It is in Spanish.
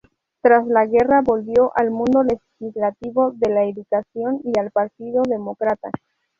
Tras la guerra volvió al mundo legislativo, de la educación y al Partido Demócrata.